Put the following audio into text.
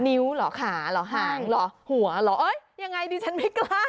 นิ้วหรอขาหรอห่างหรอหัวหรออย่างไรดิฉันไม่กล้า